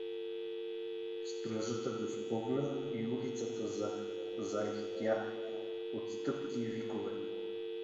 Стражата го спогна и улицата заехтя от стъпки и викове.